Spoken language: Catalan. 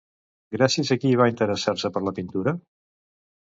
Gràcies a qui va interessar-se per la pintura?